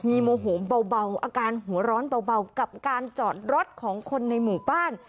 มีโมโหมเบาอาการหัวร้อนเบากับการจอดรถของคนในหมู่บ้าน